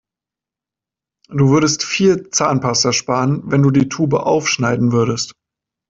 Du würdest viel Zahnpasta sparen, wenn du die Tube aufschneiden würdest.